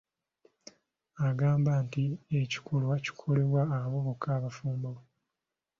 Agamba nti ekikolwa kikolebwa abo bokka abafumbo.